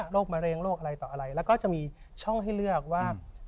มะเร็งโรคอะไรต่ออะไรแล้วก็จะมีช่องให้เลือกว่า